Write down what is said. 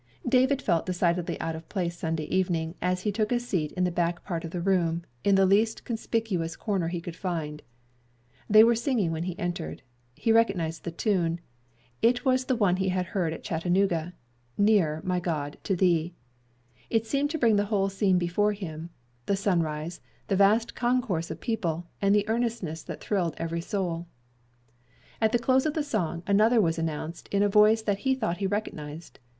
David felt decidedly out of place Sunday evening as he took a seat in the back part of the room, in the least conspicuous corner he could find. They were singing when he entered. He recognized the tune. It was the one he had heard at Chattanooga "Nearer, my God, to Thee." It seemed to bring the whole scene before him the sunrise the vast concourse of people, and the earnestness that thrilled every soul. At the close of the song, another was announced in a voice that he thought he recognized.